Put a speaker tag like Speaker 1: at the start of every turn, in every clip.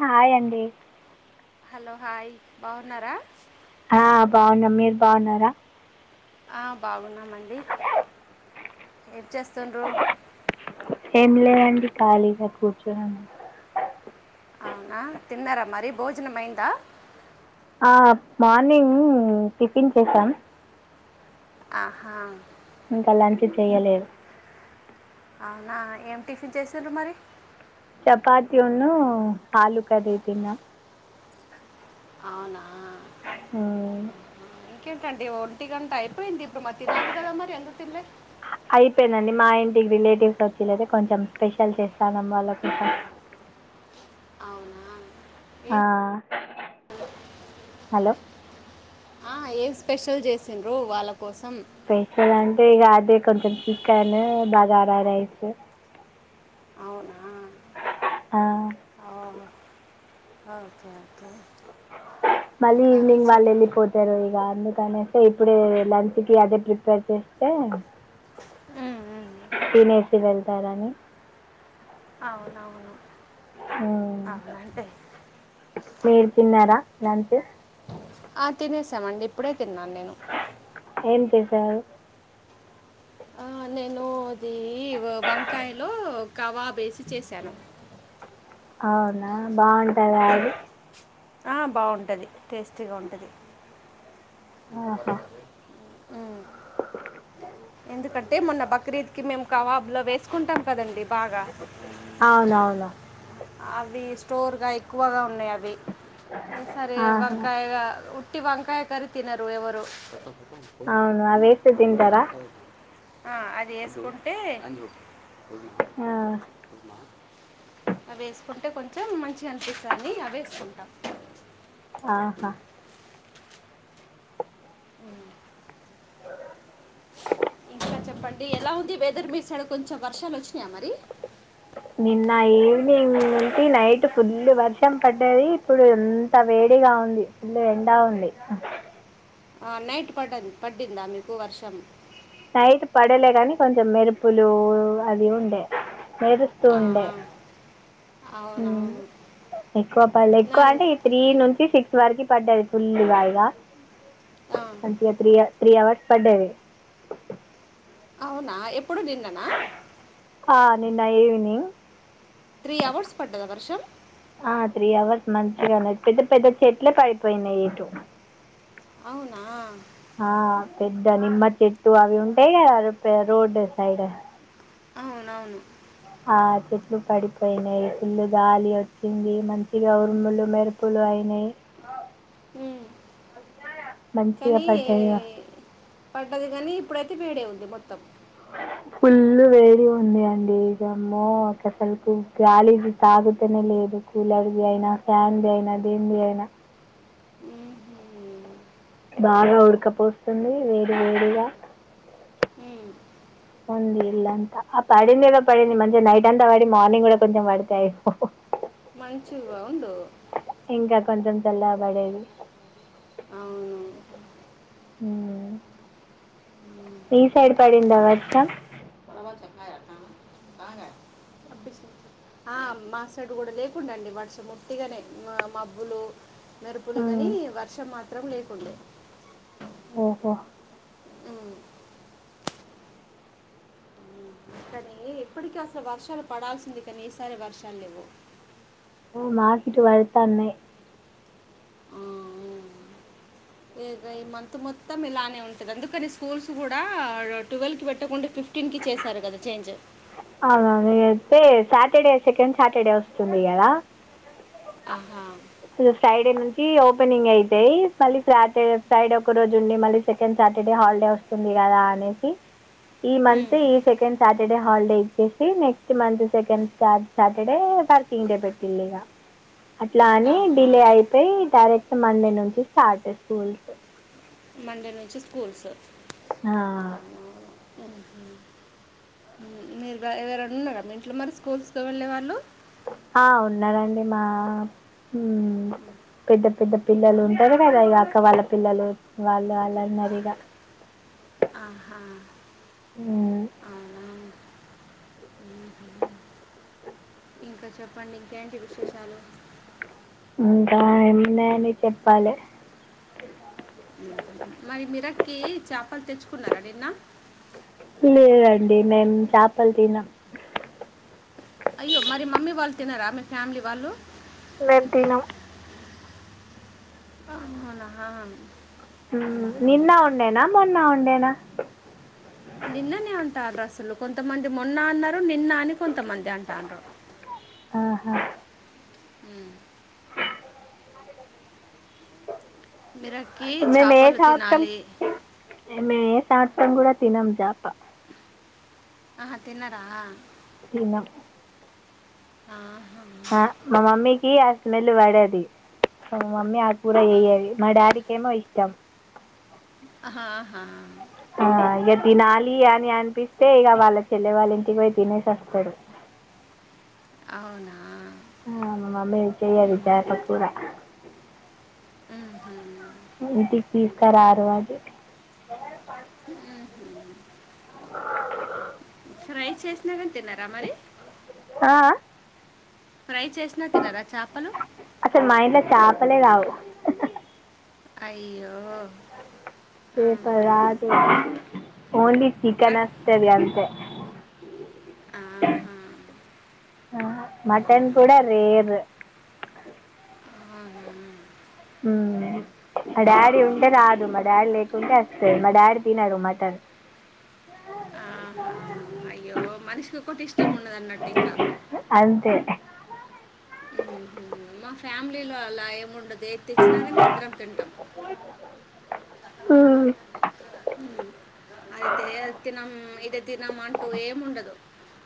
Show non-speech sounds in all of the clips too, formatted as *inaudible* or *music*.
Speaker 1: Hi అండి
Speaker 2: hello hi బాగున్నారా
Speaker 1: ఆ బాగున్నం మీరు బాగున్నారా
Speaker 2: ఆ బాగున్నామండి ఏం చేస్తుండ్రు
Speaker 1: ఏం లేదండి ఖాళీగా కూర్చొని ఉన్నాం
Speaker 2: అవునా తిన్నారా మరీ భోజనం ఐందా
Speaker 1: ఆ మార్నింగ్ టిఫిన్ చేసాం
Speaker 2: అహా
Speaker 1: ఇంకా లంచ్ చెయ్యలేరు
Speaker 2: అవునా ఏం టిఫిన్ చేశారు మరి
Speaker 1: చపాతి ఉను ఆలు కర్రీ తిన్నాం
Speaker 2: అవునా
Speaker 1: మ్మ్
Speaker 2: ఇంకేంటండి ఒంటి గంట అయిపోయింది ఇప్పుడు మా తినాలి కదా మరి ఎందుకు తినలే
Speaker 1: అయిపోయిందండి మా ఇంటికి రిలేటివ్స్ వచ్చిర్రుయితే కొంచెం స్పెషల్ చేస్తానం వాళ్ళ కోసం
Speaker 2: అవున
Speaker 1: ఆ హలో
Speaker 2: ఆ ఏం స్పెషల్ చేసిండ్రు వాళ్ళ కోసం
Speaker 1: స్పెషల్ అంటే ఇక అదే కొంచెం చికెను బగారా రైస్ ఆ
Speaker 2: ఆ ఓకే ఓకే
Speaker 1: మళ్ళీ
Speaker 2: ఇంకా
Speaker 1: ఈవినింగ్ వాళ్ళ
Speaker 2: చెప్
Speaker 1: ఎల్లిపో తారు ఇక అందుకనేస్తే ఇప్పుడు లంచ్ కి అదే ప్రిపేర్ చేస్తే
Speaker 2: ఉ ఉ
Speaker 1: తినేసి వెళ్తారని
Speaker 2: అవునవును అవునంటే
Speaker 1: మీరు తిన్నారా లంచ్
Speaker 2: ఆ తినేసామండి ఇప్పుడే తిన్నాను నేను
Speaker 1: ఏం చేశారు
Speaker 2: ఆ నేను అది వంకాయలో కవాబ్ ఏసి చేశాను
Speaker 1: అవునా బాగుంటాదా అది
Speaker 2: ఆ బాగుంటది టెస్ట్ గా ఉంటది
Speaker 1: ఆహా
Speaker 2: వర్కర్ ఎందుకంటే మొన్న బక్రీద్కి మేము కవాబులు అవివేసుకుంటాం కదండి బాగా
Speaker 1: అవునవును
Speaker 2: అవి స్టోర్గా ఎక్కువగా ఉన్నాయి అవి సరే
Speaker 1: ఆహా
Speaker 2: వంకాయగా వట్టి వంకాయ కర్రీ తిన్నారు ఎవరు
Speaker 1: అవును అవి వేస్తే తింటారా
Speaker 2: ఆ అది వేసుకుంటే
Speaker 1: ఆ
Speaker 2: అవి వేసుకుంటే కొంచెం మంచిగా అనిపిస్థాదని అవి వేసుకుంటాం
Speaker 1: ఆహా
Speaker 2: ఇంకా చెప్పండి ఎలా ఉంది వెదర్ మీ సైడ్ కొంచెం వర్షాలు వచ్చినాయా మరి
Speaker 1: నిన్న ఈవినింగ్ ఉంది నైట్ ఫుల్ వర్షం పడ్డది ఇప్పుడు ఇంత వేడిగా ఉంది ఫుల్ ఎండా ఉంది
Speaker 2: ఆ నైట్ పడ్డది పడ్డింద మీకు వర్షం
Speaker 1: నైట్ పడలే కాని కొంచెం మెరుపులు అది ఉండే మెరుస్తు
Speaker 2: ఆ ఆ
Speaker 1: ఉమ్ ఎక్కువ పడలే
Speaker 2: నా
Speaker 1: కానీ త్రీ నుంచి సిక్స్ వరకు పడ్డది ఫుల్ గా ఇగా
Speaker 2: ఆ
Speaker 1: ఇగ త్రీ త్రీ అవర్స్ పడ్డది
Speaker 2: అవునా ఎప్పుడు ననిన్న నా
Speaker 1: ఆ నిన్న ఈవనింగ్
Speaker 2: త్రీ అవర్స్ పడ్డద వర్షం
Speaker 1: ఆ త్రీ అవర్స్ మంచిగ ఉన్నాది పెద్ద పెద్ద చెట్లే పడిపోయినాయి ఇటు
Speaker 2: అవునా
Speaker 1: ఆ పెద్ద నిమ్మ చెట్టు అవి ఉంటాయి రోడ్ సైడ్
Speaker 2: అవునవును
Speaker 1: ఆ చెట్లు పడిపోయినాయి ఇల్లు గాలి వచ్చింది మంచిగా ఉరుములు మేర అప్పులు అయినాయి
Speaker 2: ఉమ్,
Speaker 1: మంచిగ
Speaker 2: కానీ
Speaker 1: పడ్డాయిగా
Speaker 2: పడ్డది కానీ ఇప్పుడైతే వేడే ఉంది మొత్తం
Speaker 1: అ ఫుల్ వేడి ఉంది అండి ఇ జమ్మో ఒక అసలు గాలిజ తాగుతేనే లేదు కూలర్ది అయినా ఫ్యాన్ది అయినా దేనిది అయినా
Speaker 2: ఉహుం.
Speaker 1: బాగ ఉడకపోస్తుంది వేడి వేడిగ
Speaker 2: ఉమ్,
Speaker 1: ఉంది *unintelligible* ఆ పడిందిద పడింది మంచిగా నైట్ అంతా వాడి మార్నింగ్ కూడా కొంచెం వాడితే అయి
Speaker 2: మంచిగా *unintelligible*
Speaker 1: ఇంకా కొంచెం చల్ల పడేది
Speaker 2: అవును
Speaker 1: ఈ సైడ్ పడిందా వర్షం
Speaker 2: *unintelligible* బాగ ఆ మా సైడ్ కూడ లేకుండా అండి వాడుస మొట్టిగానే మబ్బులు మెరుపులు కానీ
Speaker 1: ఉమ్.
Speaker 2: వర్షం మాత్రం లేకుండే
Speaker 1: ఓహో
Speaker 2: ఉమ్. కానీ ఇప్పటికీ అసలు వర్షాలు పడాల్సింది కానీ ఈసారే వర్షాలు లేవు
Speaker 1: ఆ మాకీట్ *unintelligible*
Speaker 2: ఆ, ఈ మంత్ మొత్తం ఇలానే ఉంటది అందుకని స్కూల్స్ కూడా ట్వెల్వ్ కి పెట్టకుండా ఫిఫ్ *unintelligible* చేశారు కదా చేంజ్
Speaker 1: అవున అయితే సాటర్డే సెకండ్ సాటర్డే వస్తుంది కదా
Speaker 2: ఆహా
Speaker 1: ఫ్రైడే నుంచి ఓపెనింగ్ అయితయి మళ్ళీ సాటర్డే ఫ్రైడే ఒక రోజు ఉండి మళ్ళీ సెకండ్ సాటర్డే హాలిడే వస్తుంది కదా అనేసి ఈ మంత్
Speaker 2: ఉమ్.
Speaker 1: ఈ సెకండ్ సాటర్డే హాలిడే వచ్చేసి next month second star Saturday working day పెట్టిలు ఇగ అట్లా అని
Speaker 2: ఆహా
Speaker 1: డిలే అయిపోయి డైరెక్ట్ మండే నుంచి స్టార్ట్ స్కూల్స్
Speaker 2: మండే నుంచి స్కూల్స్
Speaker 1: ఆ
Speaker 2: మీరుగ ఎవరైనా ఉన్నార ఇంట్లో మరి స్కూల్స్కి వెళ్ళే వాళ్ళు
Speaker 1: ఆ ఉన్నారండి మా పెద్ద పెద్ద పిల్లలు ఉంటారు కదా ఇక అక్క వాళ్ళ పిల్లలు వాళ్ళు వాళ్ళున్నారు ఇగ
Speaker 2: ఆహా
Speaker 1: హు
Speaker 2: అవునా ఇంక చెప్పండి ఇంకేంటి విశేషాలు
Speaker 1: ఇంకా *unintelligible* ఉంది అని చెప్పాలే
Speaker 2: మ్మ్. మరి మిరక్కి చేపలు తెచ్చుకున్నారా నిన్న
Speaker 1: లేదండి మేం చేపలు తిన
Speaker 2: అయ్యో మరి మమ్మీ వాళ్ళు తినరా మీ ఫ్యామిలీ వాళ్ళు
Speaker 1: రేప్ తినం
Speaker 2: మన హా
Speaker 1: నిన్న ఉండేనా మొన్న ఉండేనా
Speaker 2: నిన్ననే అంటారు అసలు కొంతమంది మొన్న అన్నారు నిన్న అని కొంతమంది అంటాన్రు
Speaker 1: ఆహా
Speaker 2: మిరక్కి చాపలు తినాలి
Speaker 1: మేం ఏ సంవత్సరం కూడా తినం చాప
Speaker 2: అహా తినరా
Speaker 1: తినం
Speaker 2: ఆహా
Speaker 1: ఆ మా మమ్మీకి ఆ స్మెల్ పడది మా మమ్మీ ఆ కూర ఎయ్యది మా డాడీకేమో ఇష్టం
Speaker 2: ఆహా హా
Speaker 1: ఆ ఇగ తినాలి అని అనిపిస్తే ఇగ వాళ్ళ చెల్లె వాళ్ళ ఇంటికి పోయి తినేసి వస్తాడు
Speaker 2: అవునా
Speaker 1: ఆ మా మమ్మీ ఏం చేయ్యది
Speaker 2: ఉమ్,
Speaker 1: చాపకూర
Speaker 2: ఉహు
Speaker 1: ఇంటికి తీసుక రారు అది
Speaker 2: ఉహు ఫ్రై చేసినా కాని తినరామరి
Speaker 1: ఆ
Speaker 2: ఫ్రై చేసినా తినర చాపలు
Speaker 1: అసలు మా ఇంట్లో చాపలే రావు
Speaker 2: అయ్యో
Speaker 1: చేప
Speaker 2: ఆహా
Speaker 1: రాదు ఓన్లీ చికెన్
Speaker 2: అట్-
Speaker 1: వస్తది అంతే
Speaker 2: ఆహా
Speaker 1: మటన్
Speaker 2: అవునా
Speaker 1: కూడ రేర్
Speaker 2: ఆహా
Speaker 1: ఉమ్ మా డాడీ ఉంటే రాదు మా డాడీ లేకుంటే అస్తది మా డాడీ తినడు మట్టన్
Speaker 2: ఆహా అయ్యో మనిషికి ఒకటి ఇష్టం ఉన్నదన్నట్టు ఇంకా
Speaker 1: అంతే
Speaker 2: ఉహు మా ఫ్యామిలీలో అలా ఏముండదు ఏది తెచ్చినా కనీ అందరం తింటాం
Speaker 1: ఆ
Speaker 2: అయితే అది తినం ఇది తినం అంటు ఏం ఉండదు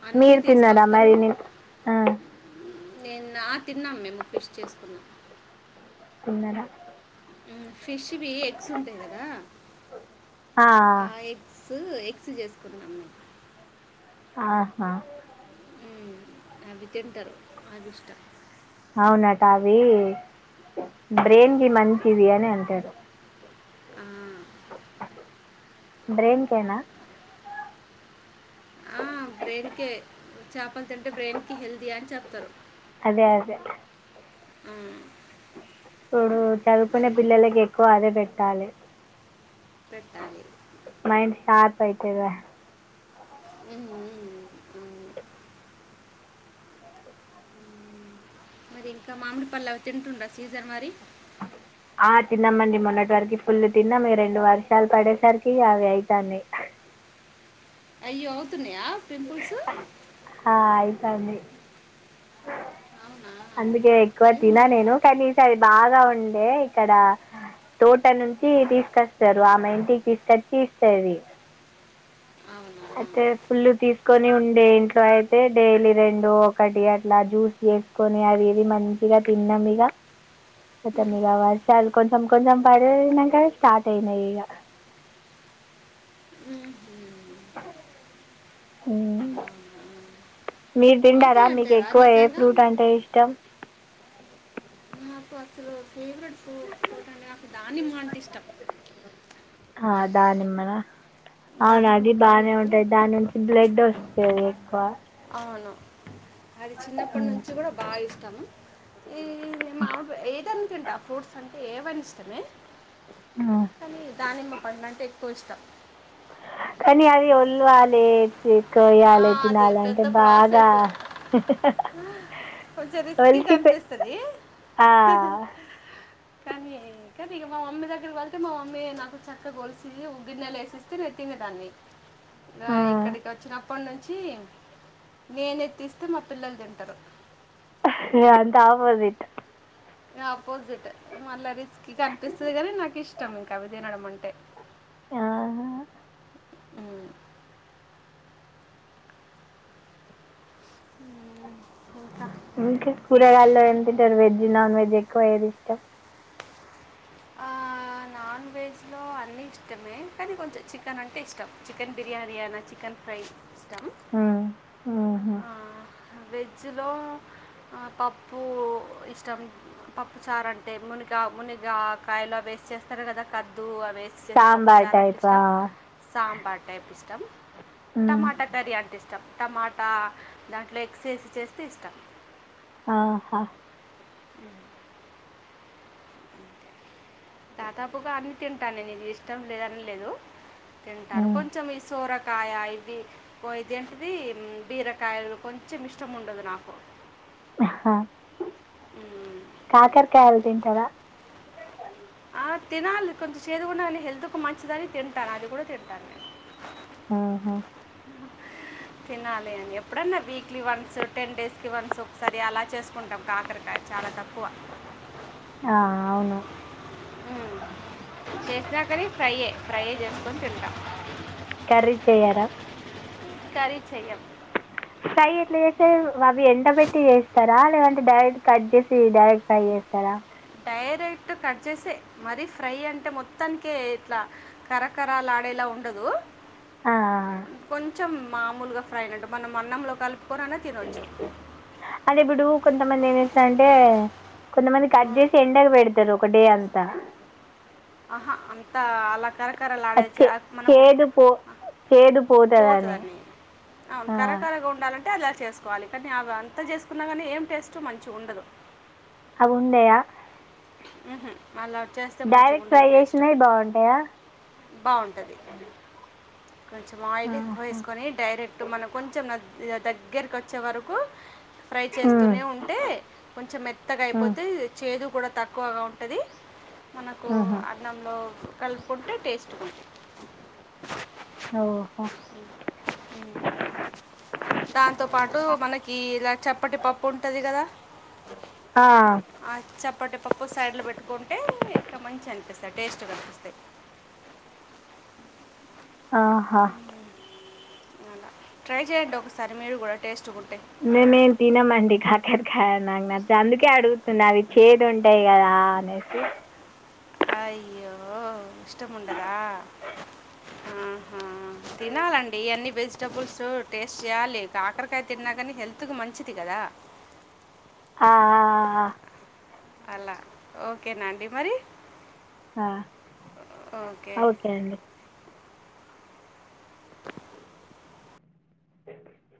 Speaker 2: అన్నీ
Speaker 1: మీరు తిన్నారా
Speaker 2: తీసుకొస్తరు
Speaker 1: మరి నేను ఆ,
Speaker 2: నేన ఆ తిన్నాం మేము ఫిష్ చేసుకున్నాం
Speaker 1: తిన్నార
Speaker 2: ఫిష్ వి ఎగ్స్ ఉంటాయి కదా
Speaker 1: ఆ
Speaker 2: ఆ ఎగ్స్ ఎగ్స్ చేసుకున్నాం
Speaker 1: ఆహా
Speaker 2: హ్మ ఆది తింటారు ఆది ఇష్టం
Speaker 1: అవునాట అవ్వి
Speaker 2: ఉమ్,
Speaker 1: బ్రెయిన్కీ మంచిది అని అంటారు
Speaker 2: ఆ
Speaker 1: బ్రెయిన్కేన
Speaker 2: ఆ బ్రెయిన్కే చాపలు తింటే బ్రెయిన్కి హెల్దీ అని చెప్తారు
Speaker 1: అదే అదే
Speaker 2: ఉమ్,
Speaker 1: ఆ చదువుకునే
Speaker 2: మరి
Speaker 1: పిల్లలకి ఎక్కువ అదే పెట్టాలె
Speaker 2: పెట్టాలి
Speaker 1: మైండ్ షార్ప్ అయితాద
Speaker 2: ఉహం హ్మ హ్మ మరి ఇంకా మామిడిపళ్ళు అవి తింటూర ఈ సీజన్ మరి
Speaker 1: ఆ తిన్నామండి మొన్నటి వరకు ఫుల్లు తిన్నాం రెండు వర్షాలు పడేసరికి అవి అయితనాయ్
Speaker 2: అయ్యో అవుతున్నాయా పింపుల్స్
Speaker 1: హా అయితనాయ్
Speaker 2: అవునా
Speaker 1: అందుకే ఎక్కువ తిన
Speaker 2: ఏమో
Speaker 1: నేను కానీ ఈ సారి అది బాగా ఉండే ఇక్కడ తోట నుంచి తీసుకొస్తారు ఆమె ఇంటికి తీసుకొచ్చి ఇస్తాది
Speaker 2: అవునా
Speaker 1: అయితే ఫులు తీసు కొని ఉండే ఇంట్లో అయితే డేలీ రెండు ఒకటి అట్లా జ్యూస్ చే కోని అది ఇది మంచిగా తిన్నాం ఇగ మొత్తం ఇక వర్షాలు కొంచెం కొంచెం పడినాక స్టార్ట్ అయినాయి ఇగ హ్మ మీరు తింటారా
Speaker 2: అవుతాయి
Speaker 1: మీకు
Speaker 2: అంటారా
Speaker 1: ఎక్కువ ఏ
Speaker 2: నిజంగా
Speaker 1: ఫ్రూట్ అంటే ఇష్టం
Speaker 2: నాకు అసలు ఫేవరెట్ ఫ్రూట్ అంటే నాకు దానిమ్మ అంటే ఇష్టం
Speaker 1: ఆ దానిమ్నా అవునా
Speaker 2: దానిమ్మ
Speaker 1: అది
Speaker 2: పండ్లు
Speaker 1: బానే
Speaker 2: అంటే
Speaker 1: ఉంటది దాని నుంచి బ్లడ్ ఒస్తది ఎక్కువ
Speaker 2: అవును అది చిన్నప్పటి నుంచి కూడా బాగా ఇష్టం ఈ మామి ఏదైనా తింటా ఫ్రూట్స్ అంటే ఏవైనా ఇష్టమే
Speaker 1: హ్మ
Speaker 2: కానీ దానిమ్మ పండు అంటే ఎక్కువ ఇష్టం
Speaker 1: కాని ఆది ఒళ్ళువలి
Speaker 2: ఆ,
Speaker 1: కోయాలి
Speaker 2: అది
Speaker 1: తినాలి అంటే
Speaker 2: పెద్ద
Speaker 1: బాగా
Speaker 2: ప్రాసెస్ కొంచెం రిస్కీగా
Speaker 1: ఒలీచీ పెట్
Speaker 2: అనిపిస్తుంది కానీ కదా ఇగ మా మమ్మీ దగ్గర వెళ్తే మా మమ్మీ నాకు చక్కగ ఒలిచి ఒ గిన్నెల యేసిస్తే తినేదని గా
Speaker 1: ఆ.
Speaker 2: ఇక్కడికి వచ్చినప్పటి నుంచి నేనే తీస్తే మా పిల్లలు తింటారు
Speaker 1: ఇడ అంత ఆపోజిట్
Speaker 2: అపోజిట్ మళ్ళా రిస్కీ అనిపిస్తది కానీ నాకు ఇష్టం ఇంకా అవి తినడం అంటే ఉమ్. ఇంకా
Speaker 1: ఇంకా కూరగాయల్లో ఎం తింటారు వెజ్ నాన్ వెజ్ ఎక్కువ ఏది ఇష్టం
Speaker 2: నాన్ వెజ్లో అన్నీ ఇష్టమే కానీ కొంచెం చికెన్ అంటే ఇష్టం చికెన్ బిర్యానీ అనా చికెన్ ఫ్రై ఇష్టం
Speaker 1: హ్మ ఉహం
Speaker 2: వెజ్లో ఆ పప్పు ఇష్టం పప్పు చారు అంటే మునిగా మునిగ కాయలు అ వేసి చేస్తారు కదా కద్దు అ వేసి చేసే పప్పు
Speaker 1: సాంబార్
Speaker 2: చారంటే
Speaker 1: టైపా
Speaker 2: ఇష్టం సాంబార్ టైప్ ఇష్టాం
Speaker 1: హ్మ్
Speaker 2: టమాటా కర్రీ అంటే ఇష్టం టమాట టా దాంట్లో ఎగ్స్ ఏసీ చేస్తే ఇష్టం
Speaker 1: ఆహా
Speaker 2: దాదాపుగా అన్ని తింటాను ఇది ఇష్టం లేదని లేదు తింటారు
Speaker 1: హ్మ్
Speaker 2: కొంచెం ఈ సోరకాయ ఇది ఓ ఇదేంటిది బీరకాయలు కొంచెం ఇష్టం ఉండదు నాకు
Speaker 1: ఆ
Speaker 2: మ్,
Speaker 1: కాకర కాయలు తింటారా
Speaker 2: ఆ తినాలి కొంచెం చేదుగున్న అది హెల్త్కు మంచిదని తింటాను అది కూడా తింటాను నేను
Speaker 1: ఆహా
Speaker 2: తినాలి అండి ఎప్పుడన్నా వీక్లీ వన్స్ టెన్ డేస్కి వన్స్ ఒకసారి అలా చేసుకుంటాం కాకరకాయ చాలా తక్కువ
Speaker 1: ఆ అవును
Speaker 2: మ్మ్ చేసిన కానీ ఫ్రైయే ఫ్రైయే చేసుకొని తింటాం
Speaker 1: కర్రీ చేయారా
Speaker 2: కర్రీ చెయ్యం
Speaker 1: ఎ ఫ్రై ఎట్లా చేసేది అవి ఎండ పెట్టి చేస్తారా లేదంటే డైరెక్ట్ కట్ చేసి డైరెక్ట్ ఫ్రై చేస్తారా
Speaker 2: డైరెక్ట్ కట్ చేసి మరీ ఫ్రై అంటే మొత్తానికె ఇట్లా కరకరా లాడేలా ఉండదు
Speaker 1: ఆ,
Speaker 2: కొంచెం మామూలుగా ఫ్రై అయినట్టు మనం అన్నంలో కలుపుకొని అయిన తినొచ్చు
Speaker 1: అదేప్పుడు కొంతమంది ఏం చేస్తారంటే కొంతమంది కట్
Speaker 2: మ్మ్.
Speaker 1: చేసి ఎ ఎండ పెడతారు ఒకటే అంతా
Speaker 2: ఆహా అంతా అలా కరెక్ట్
Speaker 1: అంతే చేదు పో చేదు పోదు
Speaker 2: పోతదన్ని అవును కరకరగా ఉండాలన్ అంటే అలా చేసుకోవాలి కానీ అవి అంతా చేసుకున్నా కానీ ఏం టేస్ట్ మంచిగా ఉండదు
Speaker 1: అవుండయ
Speaker 2: మ్మ్ హు అలా చేస్తే మంచిగా
Speaker 1: డైరెక్ట్
Speaker 2: ఉండదు
Speaker 1: ఫ్రై
Speaker 2: టేస్ట్
Speaker 1: చేసినవి బాగుంటాయా
Speaker 2: బాగుంటది కొంచెం ఆయిల్ ఎక్కువ
Speaker 1: ఆహా
Speaker 2: యేసుకొని డైరెక్ట్ మనం కొంచెం దగ్గరకు వచ్చే వరకు ఫ్రై
Speaker 1: మ్మ్
Speaker 2: చేస్తూనే ఉంటే కొంచెం
Speaker 1: మ్మ్
Speaker 2: మెత్తగయిపోతే చేదు కూడా తక్ ఎక్కువగా ఉంటది మనకు
Speaker 1: మ్మ్
Speaker 2: అన్నంలో కలుపుకుంటే టేస్ట్ ఉంది
Speaker 1: ఓహో
Speaker 2: మ్మ్ దాంతోపాటు మనకి ఇలా చప్పటి పప్పు ఉంటది కదా
Speaker 1: ఆ
Speaker 2: ఆ చప్పటి పప్పు సైడ్లో పెట్టుకుంటే ఇంకా మంచిగా అనిపిస్తాయి టేస్ట్ గఅనిపిస్తాయి
Speaker 1: ఆహా
Speaker 2: అలా ట్రై చేయండి ఒకసారి మీరు కూడా టేస్ట్ ఉంటాయి
Speaker 1: మేము తినమండి కాకరకాయ నాకు నచ్చ అందుకే అడుగుతున్నా అవి చేది ఉంటాయి కదా నేసి
Speaker 2: అయ్యో ఇష్టముండదా ఆహా తినాలండి అన్ని వెజిటబుల్స్ టేస్ట్ చేయాలి కా కాక్కరకాయ తిన్నా కానీ హెల్త్కి మంచిది కదా
Speaker 1: ఆ
Speaker 2: అలా ఓకేనా అండి మరి
Speaker 1: ఆ ఆ ఓకే అండి *inaudible*